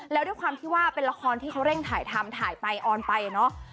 แล้วด้วยความที่ว่าเป็นละครที่เขาเร่งถ่ายทำถ่ายไปออนไปเนอะ